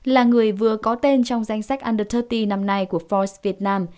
là người vừa có tên trong danh sách under ba mươi năm nay của force vietnam